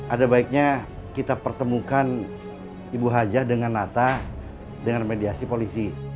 ada baiknya kita pertemukan ibu hajah dengan nata dengan mediasi polisi